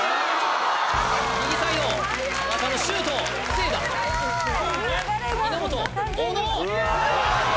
右サイド田中のシュート防いだ稲本小野！